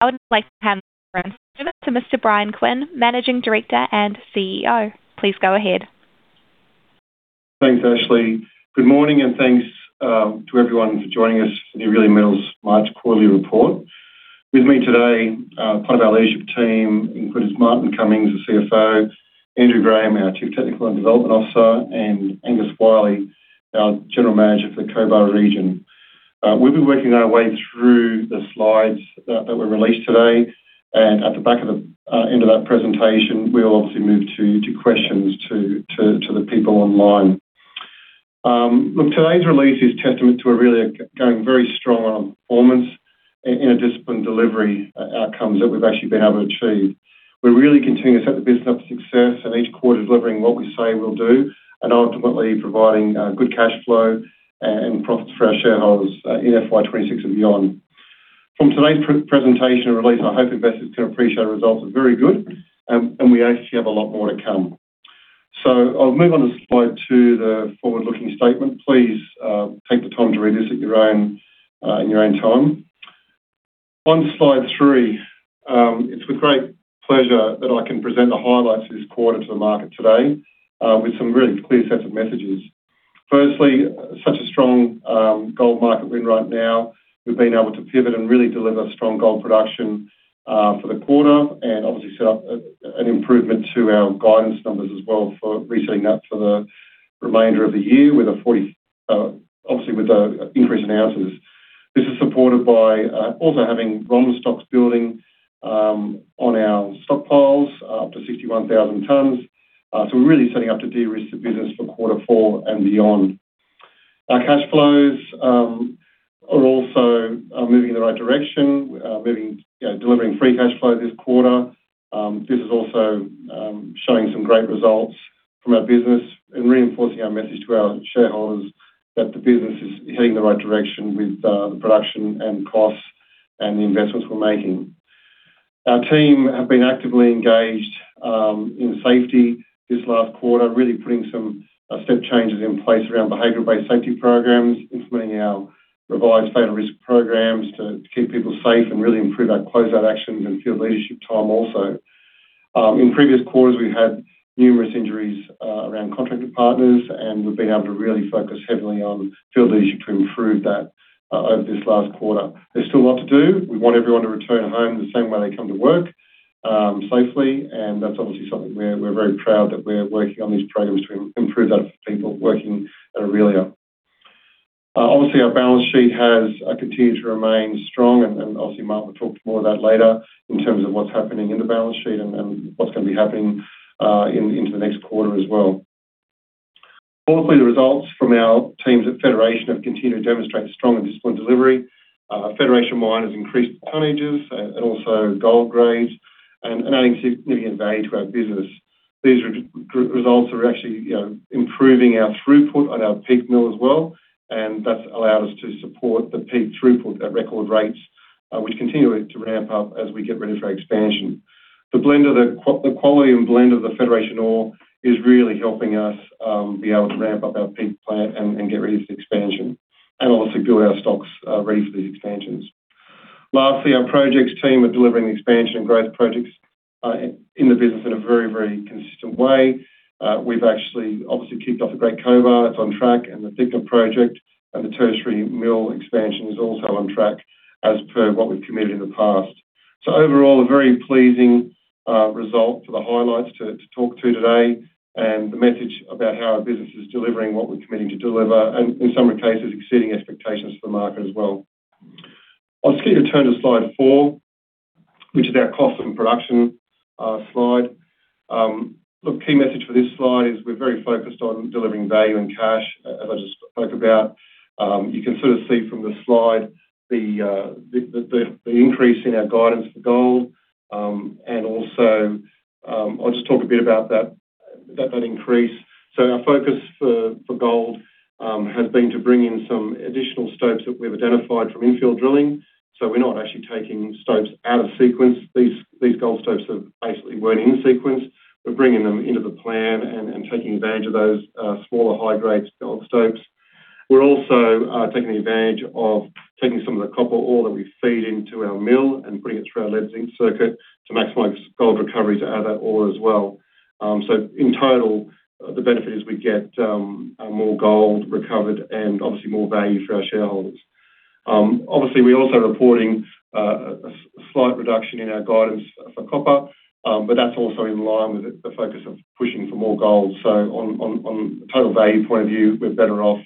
I would like to hand over to Mr. Bryan Quinn, Managing Director and CEO. Please go ahead. Thanks, Ashley. Good morning, and thanks to everyone for joining us. Aurelia Metals March quarterly report. With me today, part of our leadership team, including Martin Cummings, the CFO, Andrew Graham, our Chief Technical and Development Officer, and Angus Wyllie, our General Manager for the Cobar Region. We'll be working our way through the slides that were released today. At the back of the end of that presentation, we'll obviously move to the people online. Look, today's release is testament to Aurelia going very strong on performance and a disciplined delivery outcomes that we've actually been able to achieve. We're really continuing to set the business up for success and each quarter delivering what we say we'll do and ultimately providing good cash flow and profits for our shareholders in FY 2026 and beyond. From today's pre-presentation release, I hope investors can appreciate our results are very good, and we actually have a lot more to come. I'll move on to slide two, the forward-looking statement. Please, take the time to read this at your own, in your own time. On slide three, it's with great pleasure that I can present the highlights of this quarter to the market today, with some really clear sets of messages. Firstly, such a strong gold market when right now. We've been able to pivot and really deliver strong gold production, for the quarter and obviously set up an improvement to our guidance numbers as well for resetting that for the remainder of the year with a 40, obviously with the increase in ounces. This is supported by also having ROM stocks building on our stockpiles, up to 61,000 tons. We're really setting up to de-risk the business for quarter four and beyond. Our cash flows are also moving in the right direction, moving, you know, delivering free cash flow this quarter. This is also showing some great results from our business and reinforcing our message to our shareholders that the business is heading the right direction with the production and costs and the investments we're making. Our team have been actively engaged in safety this last quarter, really putting some step changes in place around behavioral-based safety programs, implementing our revised fatal risk programs to keep people safe and really improve our close-out actions and field leadership time also. In previous quarters, we've had numerous injuries around contracted partners, and we've been able to really focus heavily on field leadership to improve that over this last quarter. There's still a lot to do. We want everyone to return home the same way they come to work safely. That's obviously something we're very proud that we're working on these programs to improve that for people working at Aurelia. Obviously, our balance sheet has continued to remain strong and obviously Martin will talk more about that later in terms of what's happening in the balance sheet and what's gonna be happening in into the next quarter as well. Fourthly, the results from our teams at Federation have continued to demonstrate strong and disciplined delivery. Federation Mine has increased tonnages and also gold grades and adding significant value to our business. These results are actually, you know, improving our throughput on our Peak mill as well, and that's allowed us to support the Peak throughput at record rates, which continue to ramp up as we get ready for expansion. The quality and blend of the Federation ore is really helping us be able to ramp up our Peak plant and get ready for the expansion and also build our stocks ready for these expansions. Lastly, our projects team are delivering the expansion and growth projects in the business in a very consistent way. We've actually obviously kicked off at Great Cobar. It's on track. The Thickener project and the Tertiary Mill expansion is also on track as per what we've committed in the past. Overall, a very pleasing result for the highlights to talk to today and the message about how our business is delivering what we're committing to deliver and in some cases, exceeding expectations for the market as well. I'll just get you to turn to slide four, which is our costs and production slide. Look, key message for this slide is we're very focused on delivering value and cash, as I just spoke about. You can sort of see from the slide the increase in our guidance for gold. And also, I'll just talk a bit about that increase. Our focus for gold has been to bring in some additional stopes that we've identified from infill drilling. We're not actually taking stopes out of sequence. These gold stopes basically weren't in sequence. We're bringing them into the plan and taking advantage of those smaller high-grade gold stopes. We're also taking advantage of taking some of the copper ore that we feed into our mill and bringing it through our lead-zinc circuit to maximize gold recovery out of that ore as well. In total, the benefit is we get more gold recovered and obviously more value for our shareholders. Obviously, we're also reporting a slight reduction in our guidance for copper, but that's also in line with the focus of pushing for more gold. On a total value point of view, we're better off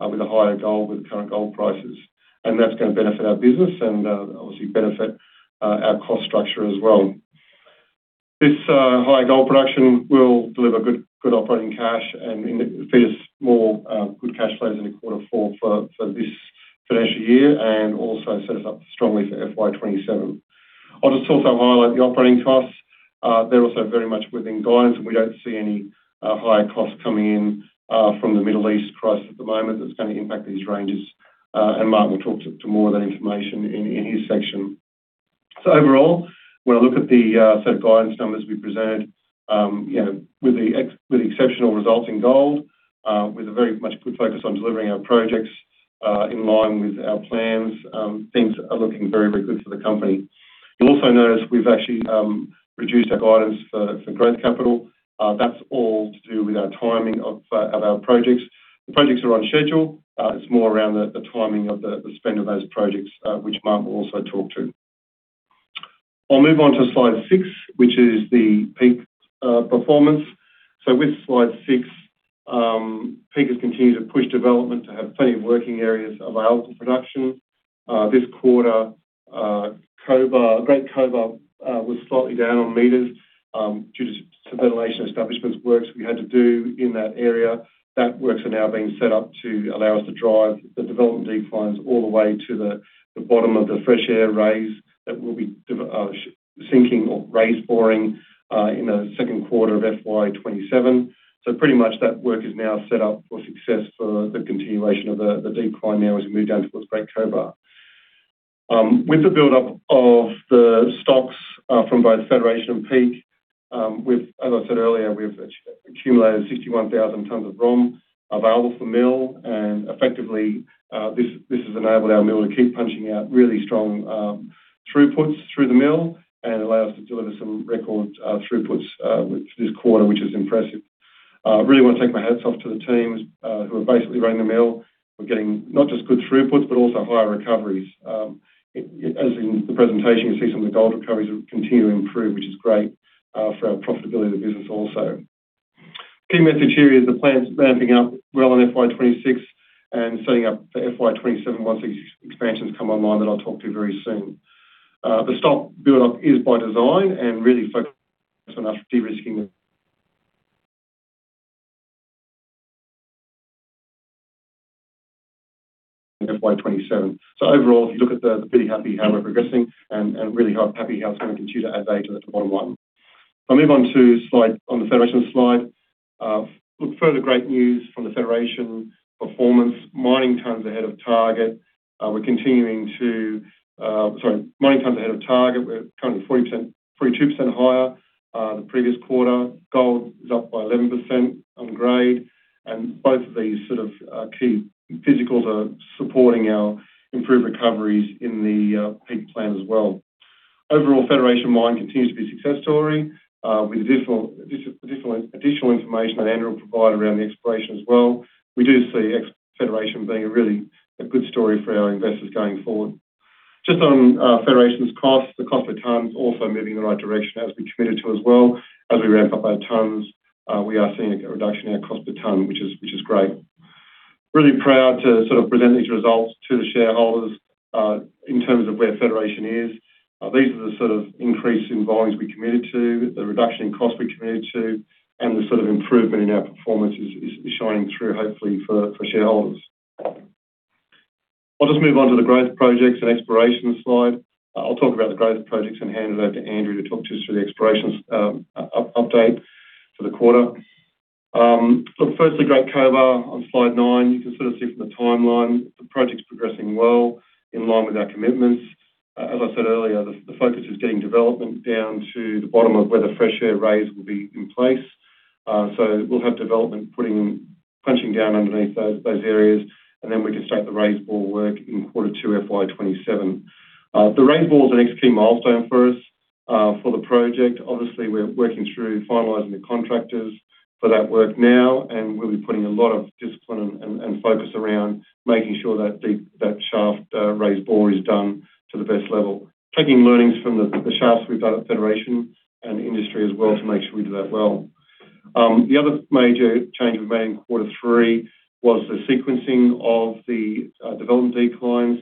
with a higher gold with the current gold prices, and that's gonna benefit our business and obviously benefit our cost structure as well. This higher gold production will deliver good operating cash and feed us more good cash flows into quarter four for this financial year and also set us up strongly for FY 2027. I'll just also highlight the operating costs. They're also very much within guidance, and we don't see any higher costs coming in from the Middle East crisis at the moment that's gonna impact these ranges. Martin will talk to more of that information in his section. Overall, when I look at the set of guidance numbers we presented, you know, with the exceptional results in gold, with a very much good focus on delivering our projects in line with our plans, things are looking very good for the company. You'll also notice we've actually reduced our guidance for growth capital. That's all to do with our timing of our projects. The projects are on schedule. It's more around the timing of the spend of those projects, which Martin will also talk to. I'll move on to slide six, which is the Peak performance. With slide six, Peak has continued to push development to have plenty of working areas available for production. This quarter, Cobar, Great Cobar, was slightly down on meters, due to some ventilation establishments works we had to do in that area. That works are now being set up to allow us to drive the development declines all the way to the bottom of the fresh air raise that we'll be sinking or raise boring in the second quarter of FY 2027. Pretty much that work is now set up for success for the continuation of the decline now as we move down towards Great Cobar. With the buildup of the stocks from both Federation and Peak, we've, as I said earlier, accumulated 61,000 tons of ROM available for mill. Effectively, this has enabled our mill to keep punching out really strong throughputs through the mill and allow us to deliver some record throughputs this quarter, which is impressive. Really wanna take my hats off to the teams who are basically running the mill. We're getting not just good throughputs, but also higher recoveries. As in the presentation, you see some of the gold recoveries continue to improve, which is great for our profitability of the business also. Key message here is the plan's ramping up well in FY 2026 and setting up for FY 2027 once these expansions come online that I'll talk to very soon. The stock buildup is by design and really focused on us de-risking the FY 2027. Overall, pretty happy how we're progressing and really happy how the team can continue to add value to the bottom line. I'll move on to the Federation slide. Further great news from the Federation performance. Mining tonnes ahead of target. We're currently 42% higher than the previous quarter. Gold is up by 11% on grade, and both of these sort of key physicals are supporting our improved recoveries in the plant as well. Overall, Federation Mine continues to be a success story with additional information that Andrew will provide around the exploration as well. We do see the Federation being a really good story for our investors going forward. Just on, Federation's cost, the cost per tonne is also moving in the right direction as we committed to as well. As we ramp up our tonnes, we are seeing a reduction in our cost per tonne, which is great. Really proud to sort of present these results to the shareholders, in terms of where Federation is. These are the sort of increase in volumes we committed to, the reduction in cost we committed to, and the sort of improvement in our performance is shining through, hopefully, for shareholders. I'll just move on to the growth projects and exploration slide. I'll talk about the growth projects and hand it over to Andrew to talk to us through the exploration update for the quarter. Firstly, Great Cobar on slide nine. You can sort of see from the timeline, the project's progressing well in line with our commitments. As I said earlier, the focus is getting development down to the bottom of where the fresh air raise will be in place. We'll have development punching down underneath those areas, and then we can start the raise bore work in quarter two, FY 2027. The raise bore is a key milestone for us, for the project. Obviously, we're working through finalizing the contractors for that work now, and we'll be putting a lot of discipline and focus around making sure that deep shaft raise bore is done to the best level. Taking learnings from the shafts we've done at Federation and industry as well to make sure we do that well. The other major change we made in quarter three was the sequencing of the development declines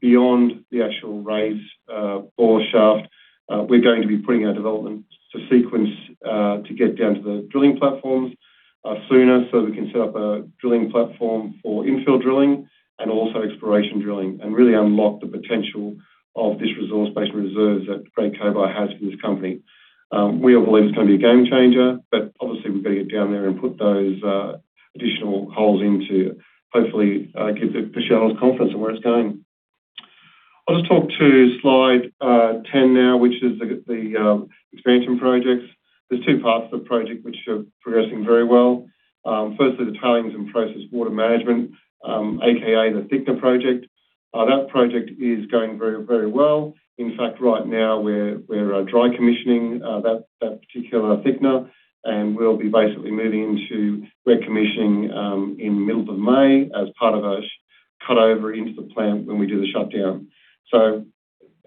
beyond the actual raise bore shaft. We're going to be putting our development to sequence to get down to the drilling platforms sooner, so we can set up a drilling platform for infill drilling and also exploration drilling and really unlock the potential of this resource base reserves that Great Cobar has for this company. We all believe it's gonna be a game changer, but obviously, we've got to get down there and put those additional holes in to hopefully give the shareholders confidence in where it's going. I'll just talk to slide 10 now, which is the expansion projects. There's two parts to the project which are progressing very well. Firstly, the tailings and process water management, aka the thickener project. That project is going very, very well. In fact, right now we're dry commissioning that particular thickener, and we'll be basically moving into wet commissioning in middle of May as part of a cut over into the plant when we do the shutdown.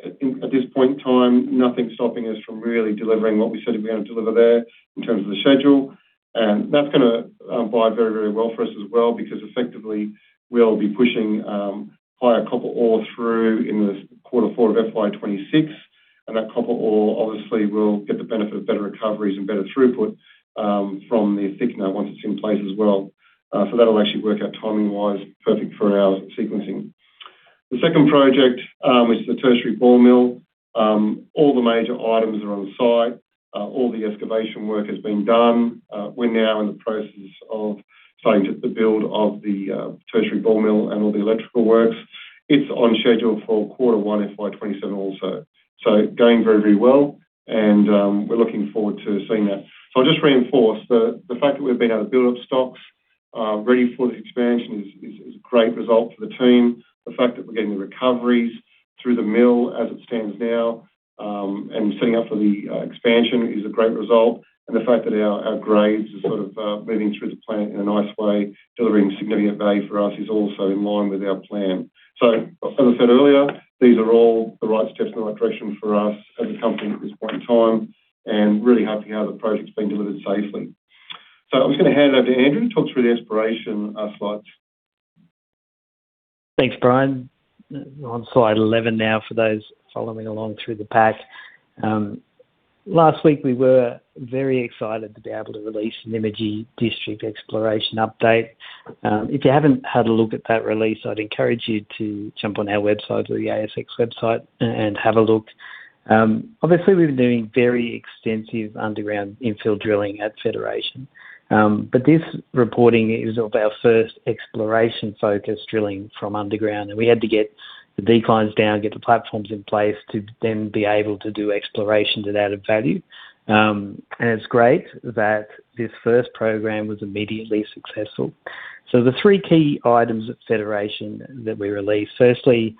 At this point in time, nothing's stopping us from really delivering what we said we're gonna deliver there in terms of the schedule. That's gonna bode very, very well for us as well because effectively, we'll be pushing higher copper ore through in quarter four of FY 2026. That copper ore obviously will get the benefit of better recoveries and better throughput from the thickener once it's in place as well. That'll actually work out timing-wise perfect for our sequencing. The second project is the tertiary ball mill. All the major items are on site. All the excavation work has been done. We're now in the process of starting to build the Tertiary ball mill and all the electrical works. It's on schedule for quarter one FY 2027 also. Going very, very well and we're looking forward to seeing that. I'll just reinforce the fact that we've been able to build up stocks ready for the expansion is a great result for the team. The fact that we're getting the recoveries through the mill as it stands now and setting up for the expansion is a great result. The fact that our grades are sort of moving through the plant in a nice way, delivering significant value for us is also in line with our plan. As I said earlier, these are all the right steps in the right direction for us as a company at this point in time, and really happy how the project's been delivered safely. I'm just gonna hand over to Andrew to talk through the exploration slides. Thanks, Bryan. On slide 11 now for those following along through the pack. Last week we were very excited to be able to release a Nymagee District exploration update. If you haven't had a look at that release, I'd encourage you to jump on our website or the ASX website and have a look. Obviously we've been doing very extensive underground infill drilling at Federation. But this reporting is of our first exploration-focused drilling from underground. We had to get the declines down, get the platforms in place to then be able to do exploration to add value. It's great that this first program was immediately successful. The three key items at Federation that we released. Firstly,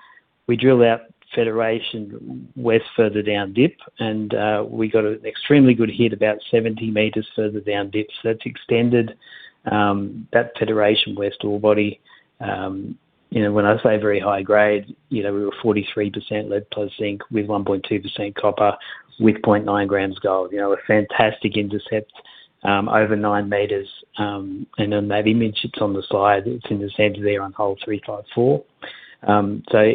we drilled out Federation West further down dip, and we got an extremely good hit about 70 meters further down dip. That's extended that Federation West ore body. You know, when I say very high grade, you know, we were 43% lead plus zinc with 1.2% copper with 0.9 grams gold. You know, a fantastic intercept over 9 meters. That image that's on the slide, it's in the center there on hole 354.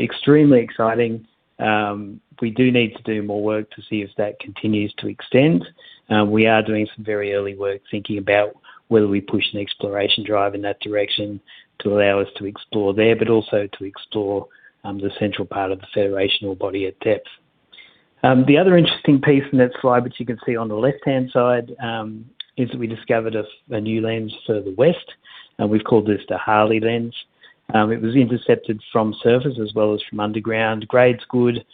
Extremely exciting. We do need to do more work to see if that continues to extend. We are doing some very early work thinking about whether we push an exploration drive in that direction to allow us to explore there, but also to explore the central part of the Federation ore body at depth. The other interesting piece in that slide, which you can see on the left-hand side, is we discovered a new lens further west, and we've called this the Harley Lens. It was intercepted from surface as well as from underground. Grade's good.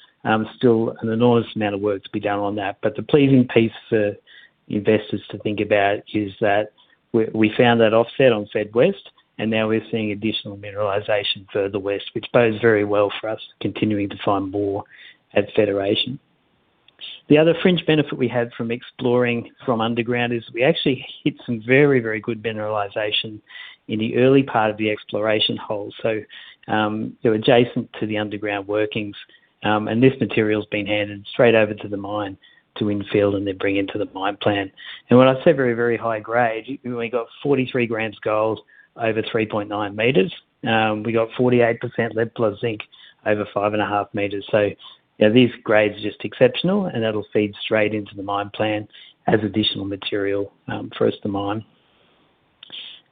Still an enormous amount of work to be done on that. The pleasing piece for investors to think about is that we found that offset on Fed West, and now we're seeing additional mineralization further west, which bodes very well for us continuing to find more at Federation. The other fringe benefit we had from exploring from underground is we actually hit some very good mineralization in the early part of the exploration hole. They're adjacent to the underground workings. This material's been handed straight over to the mine to infill, and they bring into the mine plan. When I say very, very high grade, we got 43 grams gold over 3.9 meters. We got 48% lead plus zinc over 5.5 meters. You know, these grades are just exceptional, and that'll feed straight into the mine plan as additional material for us to mine.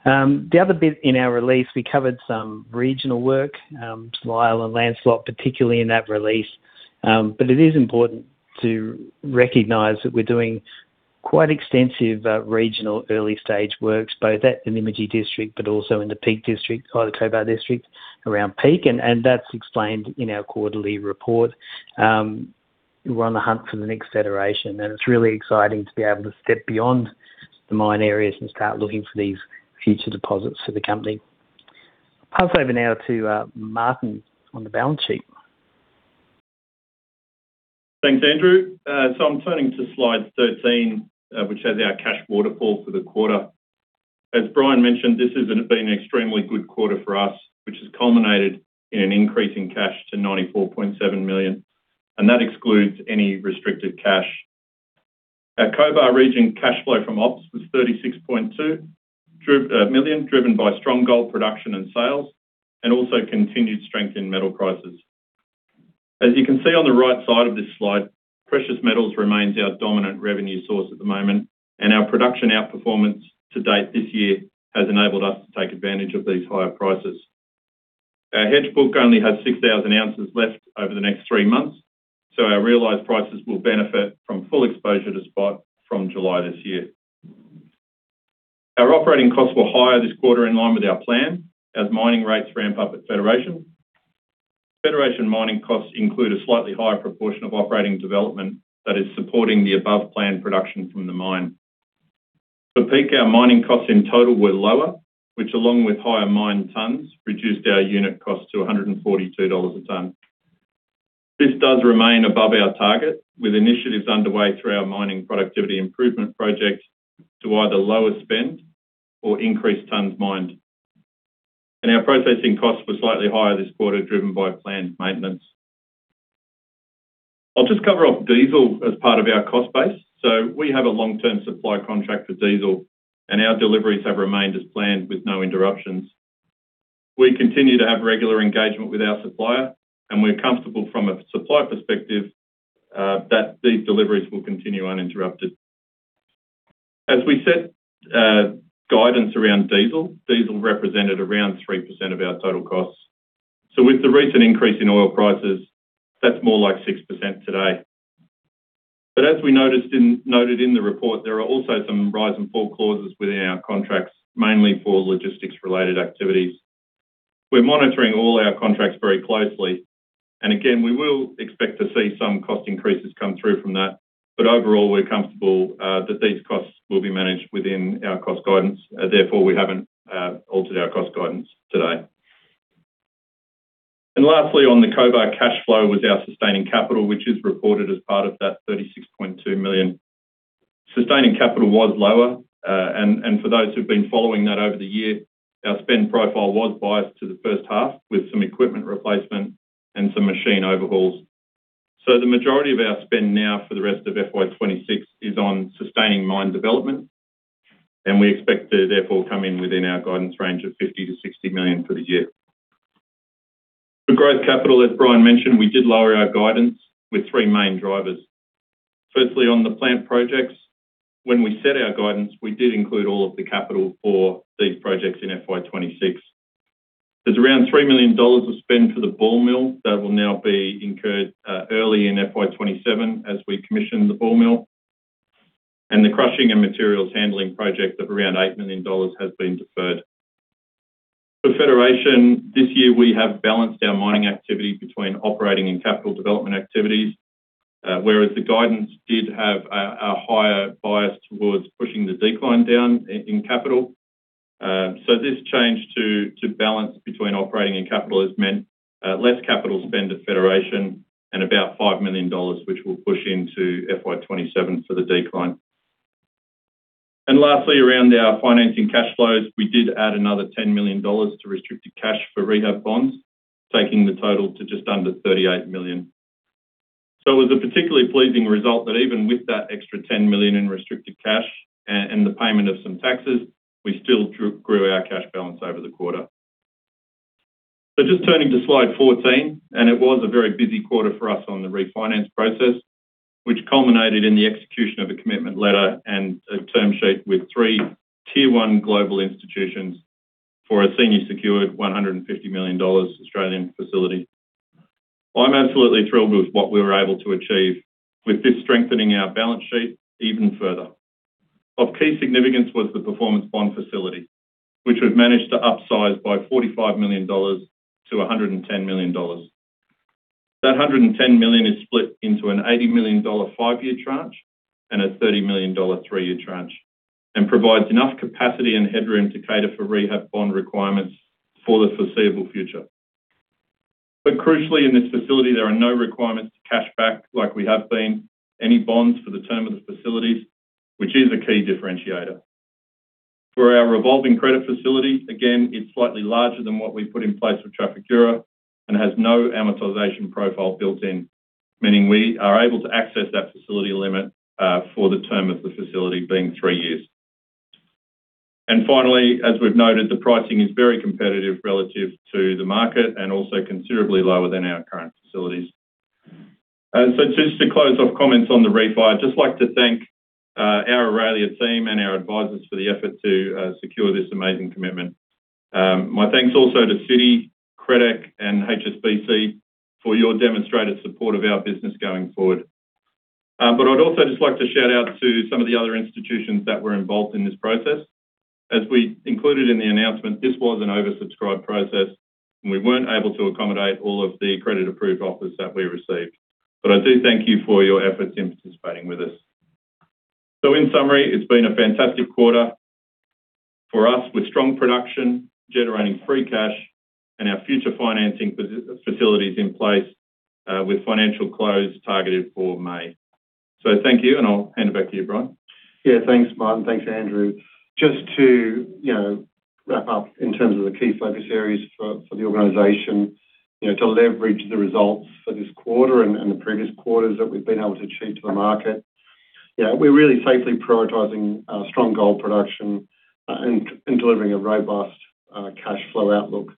The other bit in our release, we covered some regional work, Lyell and Lancelot particularly in that release. It is important to recognize that we're doing quite extensive regional early stage works, both at the Nymagee District but also in the Peak District or the Cobar District around Peak, and that's explained in our quarterly report. We're on the hunt for the next Federation, and it's really exciting to be able to step beyond the mine areas and start looking for these future deposits for the company. Pass over now to Martin on the balance sheet. Thanks, Andrew. I'm turning to slide 13, which has our cash waterfall for the quarter. As Bryan mentioned, this has been an extremely good quarter for us, which has culminated in an increase in cash to 94.7 million, and that excludes any restricted cash. Our Cobar Region cash flow from ops was 36.2 million, driven by strong gold production and sales and also continued strength in metal prices. As you can see on the right side of this slide, precious metals remains our dominant revenue source at the moment, and our production outperformance to date this year has enabled us to take advantage of these higher prices. Our hedge book only has 6,000 ounces left over the next three months, so our realized prices will benefit from full exposure to spot from July this year. Our operating costs were higher this quarter in line with our plan as mining rates ramp up at Federation. Federation mining costs include a slightly higher proportion of operating development that is supporting the above plan production from the mine. For Peak, our mining costs in total were lower, which along with higher mine tonnes, reduced our unit cost to 142 dollars a tonne. This does remain above our target with initiatives underway through our mining productivity improvement project to either lower spend or increase tonnes mined. Our processing costs were slightly higher this quarter, driven by planned maintenance. I'll just cover off diesel as part of our cost base. We have a long-term supply contract for diesel, and our deliveries have remained as planned with no interruptions. We continue to have regular engagement with our supplier, and we're comfortable from a supply perspective that these deliveries will continue uninterrupted. As we set guidance around diesel represented around 3% of our total costs. With the recent increase in oil prices, that's more like 6% today. As we noted in the report, there are also some rises and fall clauses within our contracts, mainly for logistics-related activities. We're monitoring all our contracts very closely, and again, we will expect to see some cost increases come through from that. Overall, we're comfortable that these costs will be managed within our cost guidance, therefore, we haven't altered our cost guidance today. Lastly, on the Cobar cash flow with our sustaining capital, which is reported as part of that 36.2 million. Sustaining capital was lower. For those who've been following that over the year, our spend profile was biased to the first half, with some equipment replacement and some machine overhauls. The majority of our spend now for the rest of FY 2026 is on sustaining mine development, and we expect to therefore come in within our guidance range of 50 million-60 million for the year. For growth capital, as Bryan mentioned, we did lower our guidance with three main drivers. Firstly, on the plant projects, when we set our guidance, we did include all of the capital for these projects in FY 2026. There's around 3 million dollars of spend for the ball mill that will now be incurred early in FY 2027 as we commission the ball mill. The crushing and materials handling project of around 8 million dollars has been deferred. For Federation this year, we have balanced our mining activity between operating and capital development activities. Whereas the guidance did have a higher bias towards pushing the decline down in capital. This change to balance between operating and capital has meant less capital spend at Federation and about 5 million dollars, which we'll push into FY 2027 for the decline. Lastly, around our financing cash flows, we did add another 10 million dollars to restricted cash for rehab bonds, taking the total to just under 38 million. It was a particularly pleasing result that even with that extra 10 million in restricted cash and the payment of some taxes, we still grew our cash balance over the quarter. Just turning to slide 14, it was a very busy quarter for us on the refinance process, which culminated in the execution of a commitment letter and a term sheet with three tier-one global institutions for a senior secured 150 million Australian dollars facility. I'm absolutely thrilled with what we were able to achieve with this strengthening our balance sheet even further. Of key significance was the performance bond facility, which we've managed to upsize by 45 million-110 million dollars. That 110 million is split into an 80 million dollar five-year tranche and a 30 million dollar three-year tranche and provides enough capacity and headroom to cater for rehab bond requirements for the foreseeable future. Crucially, in this facility, there are no requirements to cash back like we have been, any bonds for the term of the facilities, which is a key differentiator. For our revolving credit facility, again, it's slightly larger than what we put in place with Trafigura and has no amortization profile built in, meaning we are able to access that facility limit for the term of the facility being three years. Finally, as we've noted, the pricing is very competitive relative to the market and also considerably lower than our current facilities. Just to close off comments on the refi, I'd just like to thank our Aurelia team and our advisors for the effort to secure this amazing commitment. My thanks also to Citi, Crédit Agricole, and HSBC for your demonstrated support of our business going forward. I'd also just like to shout out to some of the other institutions that were involved in this process. As we included in the announcement, this was an oversubscribed process, and we weren't able to accommodate all of the credit-approved offers that we received. I do thank you for your efforts in participating with us. In summary, it's been a fantastic quarter for us with strong production, generating free cash, and our future financing facilities in place, with financial close targeted for May. Thank you, and I'll hand it back to you, Bryan. Yeah. Thanks, Martin. Thanks, Andrew. Just to, you know, wrap up in terms of the key focus areas for the organization, you know, to leverage the results for this quarter and the previous quarters that we've been able to achieve to the market. Yeah, we're really safely prioritizing strong gold production and delivering a robust cash flow outlook,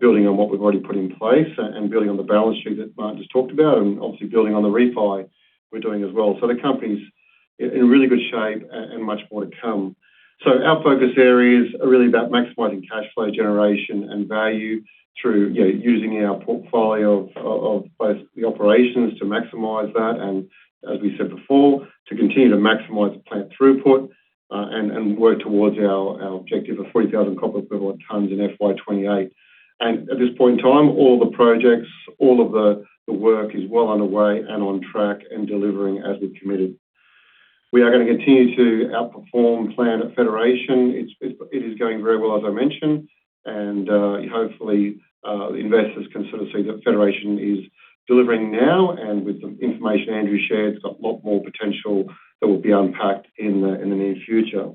building on what we've already put in place and building on the balance sheet that Martin just talked about, and obviously building on the refi we're doing as well. The company's in really good shape and much more to come. Our focus areas are really about maximizing cash flow generation and value through, you know, using our portfolio of both the operations to maximize that and as we said before, to continue to maximize the plant throughput, and work towards our objective of 40,000 copper equivalent tons in FY 2028. At this point in time, all the projects, all the work is well underway and on track and delivering as we've committed. We are gonna continue to outperform plan at Federation. It is going very well, as I mentioned, and hopefully the investors can sort of see that Federation is delivering now and with the information Andrew shared, it's got a lot more potential that will be unpacked in the near future.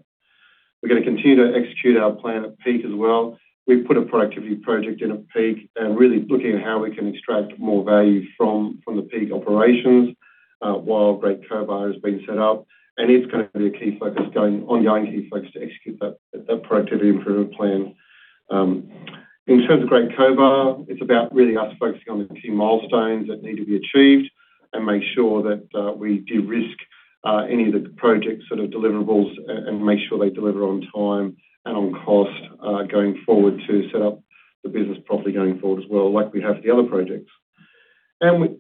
We're gonna continue to execute our plan at Peak as well. We've put a productivity project in at Peak and really looking at how we can extract more value from the Peak operations while Great Cobar is being set up. It's gonna be a key ongoing focus to execute that productivity improvement plan. In terms of Great Cobar, it's about us really focusing on the key milestones that need to be achieved and make sure that we de-risk any of the project sort of deliverables and make sure they deliver on time and on cost going forward to set up the business properly going forward as well, like we have for the other projects.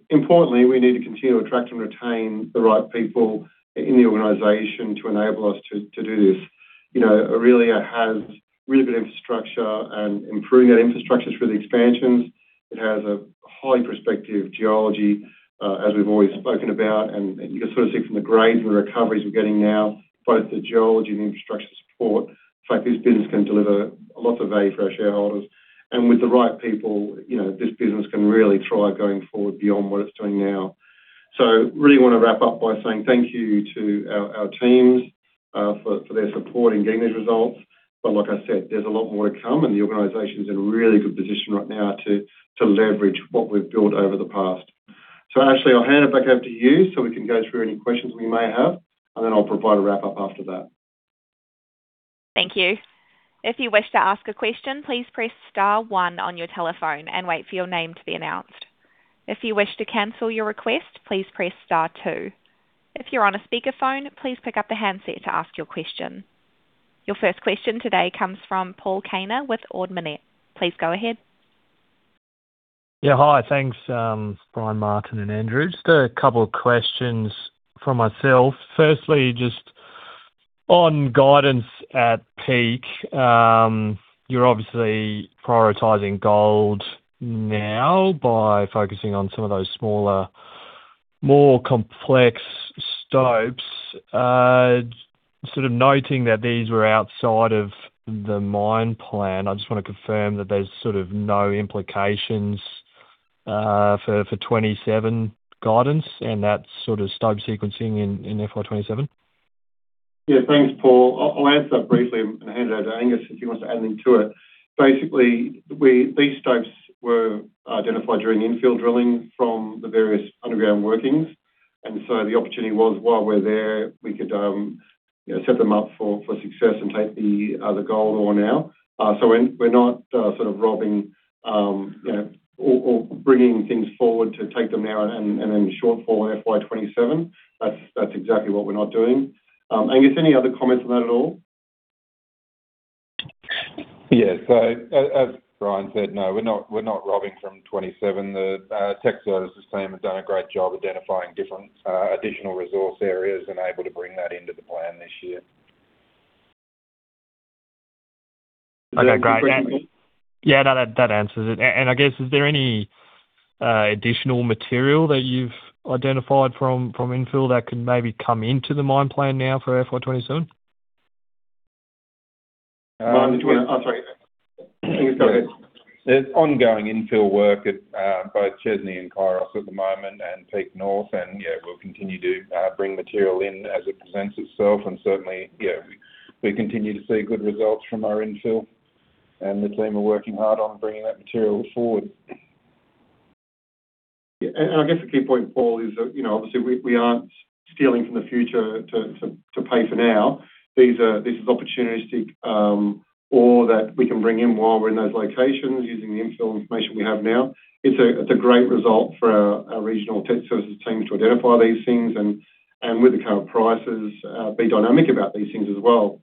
Importantly, we need to continue to attract and retain the right people in the organization to enable us to do this. You know, Aurelia has really good infrastructure and improving that infrastructure through the expansions. It has a high prospective geology, as we've always spoken about. You can sort of see from the grades and the recoveries we're getting now, both the geology and infrastructure support. In fact, this business can deliver lots of value for our shareholders. With the right people, you know, this business can really thrive going forward beyond what it's doing now. Really want to wrap up by saying thank you to our teams for their support in getting these results. Like I said, there's a lot more to come, and the organization's in a really good position right now to leverage what we've built over the past. Ashley, I'll hand it back over to you, so we can go through any questions we may have, and then I'll provide a wrap up after that. Thank you. If you wish to ask a question, please press star one on your telephone and wait for your name to be announced. If you wish to cancel your request, please press star two. If you're on a speakerphone, please pick up the handset to ask your question. Your first question today comes from Paul Kaner with Ord Minnett. Please go ahead. Yeah, hi. Thanks, Bryan, Martin, and Andrew. Just a couple of questions from myself. Firstly, just on guidance at Peak, you're obviously prioritizing gold now by focusing on some of those smaller, more complex stopes. Sort of noting that these were outside of the mine plan, I just wanna confirm that there's sort of no implications for 2027 guidance and that sort of stope sequencing in FY 2027. Yeah, thanks, Paul. I'll answer that briefly and hand it over to Angus if he wants to add anything to it. Basically, these stopes were identified during infill drilling from the various underground workings. The opportunity was while we're there, we could you know set them up for success and take the gold ore now. We're not sort of robbing you know or bringing things forward to take them now and then shortfall FY 2027. That's exactly what we're not doing. Angus, any other comments on that at all? Yes. As Bryan said, no, we're not robbing from 2027. The tech services team have done a great job identifying different additional resource areas and able to bring that into the plan this year. Okay, great. Does that answer your question? Yeah, that answers it. I guess, is there any additional material that you've identified from infill that can maybe come into the mine plan now for FY 2027? Um- I'm sorry. Angus, go ahead. There's ongoing infill work at both Chesney and Kairos at the moment and Peak North. Yeah, we'll continue to bring material in as it presents itself. Certainly, yeah, we continue to see good results from our infill, and the team are working hard on bringing that material forward. I guess the key point, Paul, is that, you know, obviously we aren't stealing from the future to pay for now. This is opportunistic ore that we can bring in while we're in those locations using the infill information we have now. It's a great result for our regional tech services team to identify these things and with the current prices, be dynamic about these things as well,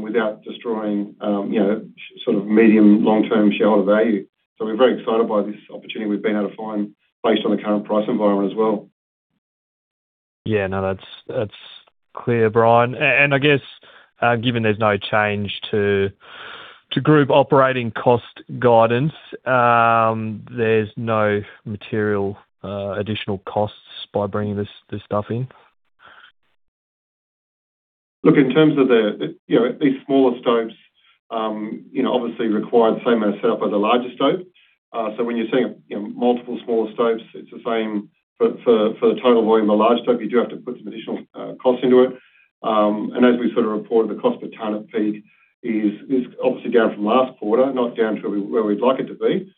without destroying, you know, sort of medium, long-term shareholder value. We're very excited by this opportunity we've been able to find based on the current price environment as well. Yeah. No, that's clear, Bryan. I guess, given there's no change to group operating cost guidance, there's no material additional costs by bringing this stuff in? Look, in terms of the you know, these smaller stopes obviously require the same amount of setup as a larger stope. When you're seeing you know, multiple smaller stopes, it's the same for the total volume of large stope, you do have to put some additional costs into it. As we sort of reported, the cost per ton at Peak is obviously down from last quarter, not down to where we'd like it to be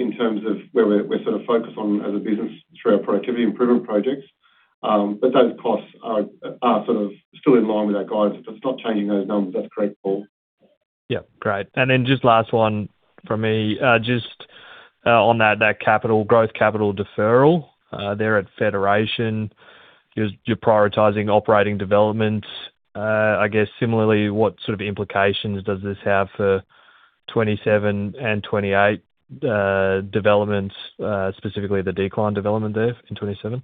in terms of where we're sort of focused on as a business through our productivity improvement projects. Those costs are sort of still in line with our guidance. It's not changing those numbers. That's correct, Paul. Yeah. Great. Just last one from me, just on that capital growth capital deferral there at Federation. You're prioritizing operating development. I guess similarly, what sort of implications does this have for 2027 and 2028 developments, specifically the decline development there in 2027?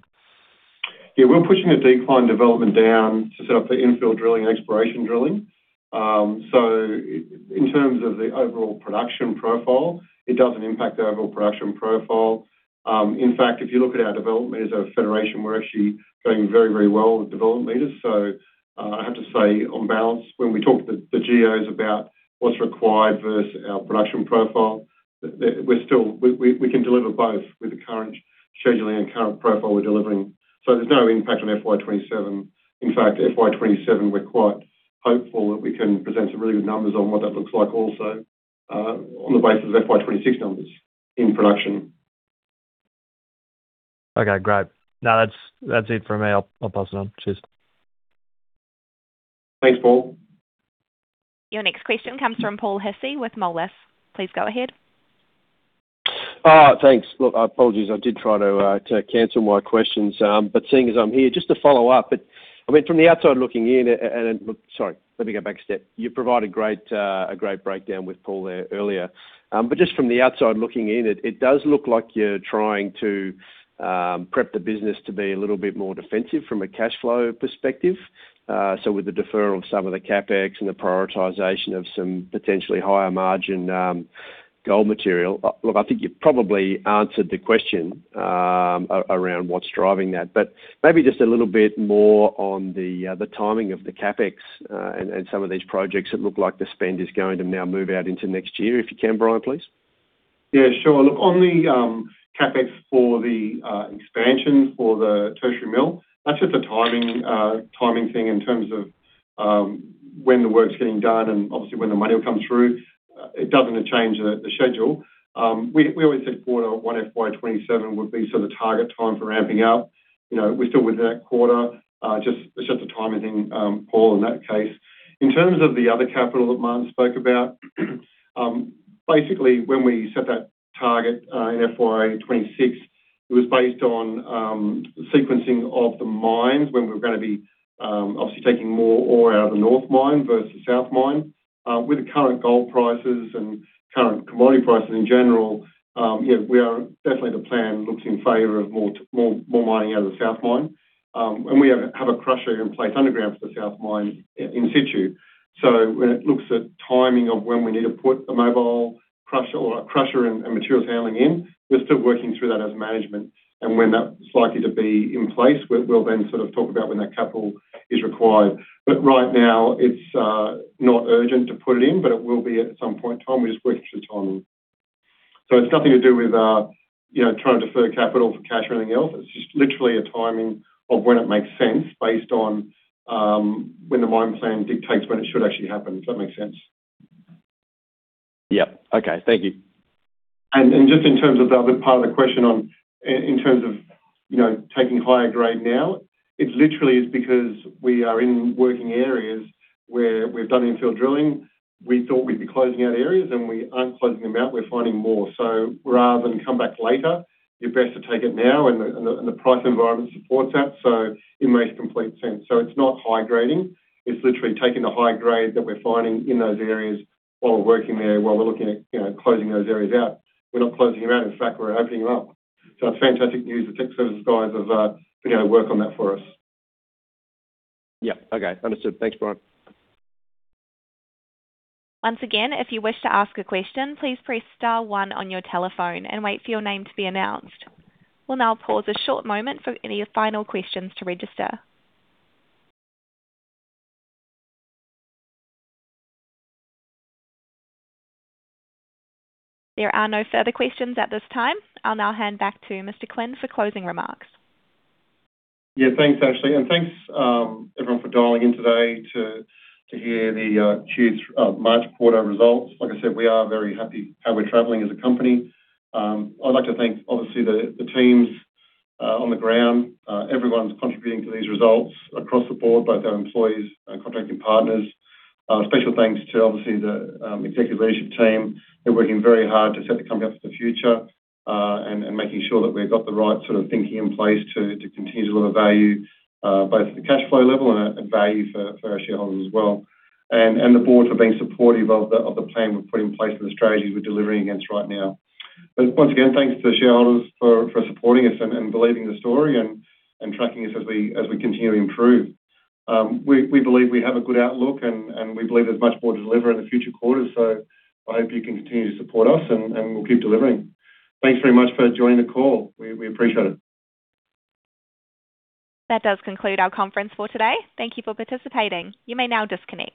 Yeah. We're pushing the decline development down to set up for infill drilling and exploration drilling. In terms of the overall production profile, it doesn't impact the overall production profile. In fact, if you look at our development meters at Federation, we're actually going very, very well with development meters. I have to say on balance, when we talk to the GOs about what's required versus our production profile, we can deliver both with the current scheduling and current profile we're delivering. There's no impact on FY 2027. In fact, FY 2027, we're quite hopeful that we can present some really good numbers on what that looks like also, on the basis of FY 2026 numbers in production. Okay, great. No, that's it from me. I'll pass it on. Cheers. Thanks, Paul. Your next question comes from Paul Hissey with Moelis Australia. Please go ahead. Thanks. Look, apologies, I did try to cancel my questions. Seeing as I'm here, just to follow up, but I mean, from the outside looking in. Sorry, let me go back a step. You provided a great breakdown with Paul there earlier. Just from the outside looking in, it does look like you're trying to prep the business to be a little bit more defensive from a cash flow perspective with the deferral of some of the CapEx and the prioritization of some potentially higher margin gold material. Look, I think you probably answered the question around what's driving that. Maybe just a little bit more on the timing of the CapEx and some of these projects that look like the spend is going to now move out into next year, if you can, Bryan, please. Yeah, sure. Look, on the CapEx for the expansion for the tertiary mill, that's just a timing thing in terms of when the work's getting done and obviously when the money will come through. It doesn't change the schedule. We always said quarter one FY 2027 would be sort of target time for ramping up. You know, we're still with that quarter. It's just a timing thing, Paul, in that case. In terms of the other capital that Martin spoke about, basically when we set that target in FY 2026, it was based on sequencing of the mines when we're gonna be obviously taking more ore out of the north mine versus south mine. With the current gold prices and current commodity prices in general, yeah, we are. Definitely the plan looks in favor of more mining out of the south mine. We have a crusher in place underground for the south mine in situ. When it looks at timing of when we need to put the mobile crusher or crusher and materials handling in, we're still working through that as management. When that's likely to be in place, we'll then sort of talk about when that capital is required. Right now, it's not urgent to put it in, but it will be at some point in time. We're just working through timing. It's nothing to do with you know, trying to defer capital for cash or anything else. It's just literally a timing of when it makes sense based on when the mine plan dictates when it should actually happen. Does that make sense? Yeah. Okay. Thank you. Just in terms of the other part of the question on in terms of you know taking higher grade now, it literally is because we are in working areas where we've done infill drilling. We thought we'd be closing out areas, and we aren't closing them out. We're finding more. Rather than come back later, you're best to take it now and the price environment supports that. It makes complete sense. It's not high grading. It's literally taking the high grade that we're finding in those areas while we're working there, while we're looking at you know closing those areas out. We're not closing them out. In fact, we're opening them up. It's fantastic news, the tech service guys have been able to work on that for us. Yeah. Okay. Understood. Thanks, Bryan. Once again, if you wish to ask a question, please press star one on your telephone and wait for your name to be announced. We'll now pause a short moment for any final questions to register. There are no further questions at this time. I'll now hand back to Mr. Quinn for closing remarks. Yeah. Thanks, Ashley. Thanks, everyone for dialing in today to hear the Q3 March quarter results. Like I said, we are very happy how we're traveling as a company. I'd like to thank obviously the teams on the ground. Everyone's contributing to these results across the board, both our employees and contracting partners. Special thanks to obviously the executive leadership team. They're working very hard to set the company up for the future, and making sure that we've got the right sort of thinking in place to continue to deliver value, both at the cash flow level and value for our shareholders as well, and the board for being supportive of the plan we've put in place and the strategies we're delivering against right now. Once again, thanks to shareholders for supporting us and believing the story and tracking us as we continue to improve. We believe we have a good outlook, and we believe there's much more to deliver in the future quarters. I hope you can continue to support us, and we'll keep delivering. Thanks very much for joining the call. We appreciate it. That does conclude our conference for today. Thank you for participating. You may now disconnect.